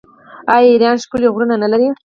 آیا ایران ښکلي غرونه نلري؟